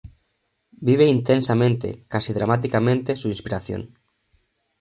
Vive intensamente, casi dramáticamente, su inspiración.